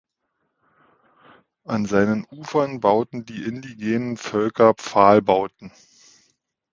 An seinen Ufern bauten die indigenen Völker Pfahlbauten.